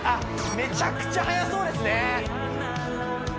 めちゃくちゃ速そうですね！